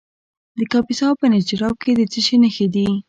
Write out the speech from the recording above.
د کاپیسا په نجراب کې د څه شي نښې دي؟